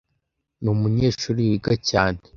Numunyeshuri wiga cyane.